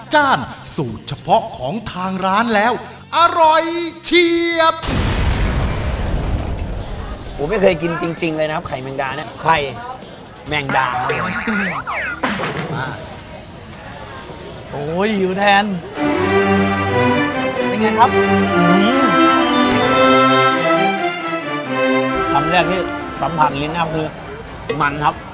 คำแรกที่สัมผัสลิงนะครับคือมันครับ